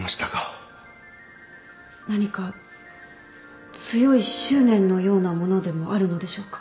何か強い執念のようなものでもあるのでしょうか？